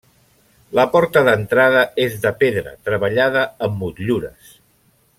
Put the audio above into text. La porta d'entrada és de pedra treballada, amb motllures.